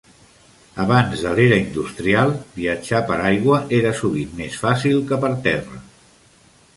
Abans de l'era industrial, viatjar per aigua era sovint més fàcil que per terra.